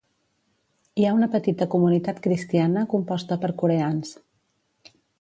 Hi ha una petita comunitat cristiana, composta per coreans.